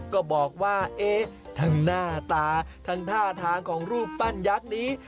ก็บอกว่าเอ๊ะทั้งหน้าตาทั้งท่าทางของรูปปั้นยักษ์นี้